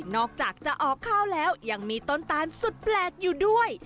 อกจากจะออกข้าวแล้วยังมีต้นตาลสุดแปลกอยู่ด้วย